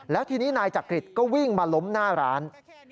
แล้วทีนี้นายจักริตก็วิ่งมาล้มหน้าร้าน